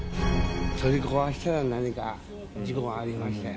取り壊したら何か、事故がありましたよ。